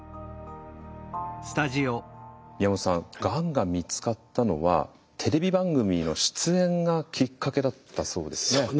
がんが見つかったのはテレビ番組の出演がきっかけだったそうですね。